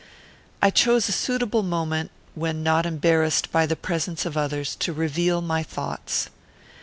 I chose a suitable moment, when not embarrassed by the presence of others, to reveal my thoughts.